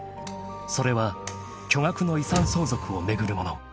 ［それは巨額の遺産相続を巡るもの］